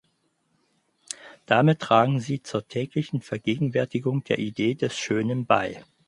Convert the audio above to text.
Damit tragen sie zur täglichen Vergegenwärtigung der Idee des Schönen bei.